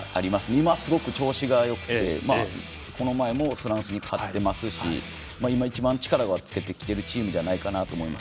今すごく調子がよくてこの前もフランスに勝っていますし今、一番力をつけてきているチームじゃないかと思います。